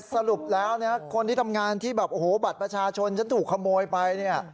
สรุปแล้วคนที่ทำงานที่บัตรประชาชนถูกขโมยไป